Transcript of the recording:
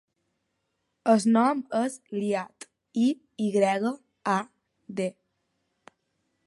El nom és Iyad: i, i grega, a, de.